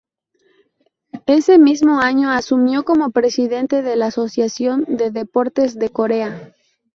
Ese mismo año asumió como presidente de la Asociación de Deportes de Corea.